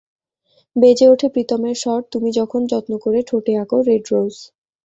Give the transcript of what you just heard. বেজে ওঠে প্রিতমের স্বর, তুমি যখন যত্ন করে ঠোঁটে আঁকো রেড রোজ।